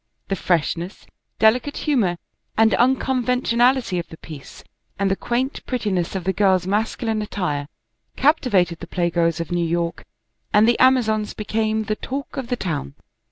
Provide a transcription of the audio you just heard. The fresh ness, delicate humour, and unconventionality of the piece, and the quaint prettiness of the girls' masculine attire, captivated the playgoers of New York, and " The Ama zons " became the talk of the town.